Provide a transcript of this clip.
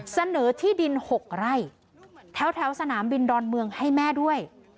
เสนอที่ดิน๖ไร่แถวสนามบินดอนเมืองให้แม่ด้วย